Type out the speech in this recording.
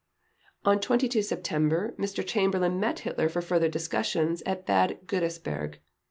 On 22 September Mr. Chamberlain met Hitler for further discussions at Bad Godesberg.